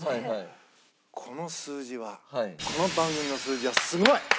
この数字はこの番組の数字はすごい！